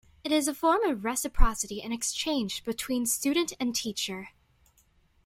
It is a form of reciprocity and exchange between student and teacher.